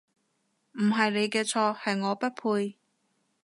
唔係你嘅錯，係我不配